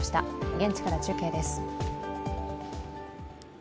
現地から中継です。